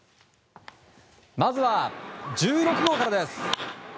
まずは１６号からです。